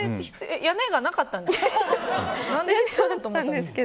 屋根がなかったんですか。